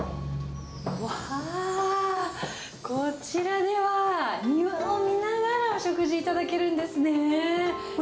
わーっ、こちらでは庭を見ながらお食事を頂けるんですね。